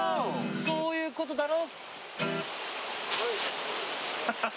そういうことだろ。